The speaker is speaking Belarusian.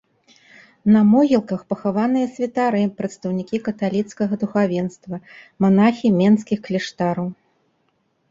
На могілках пахаваныя святары, прадстаўнікі каталіцкага духавенства, манахі менскіх кляштараў.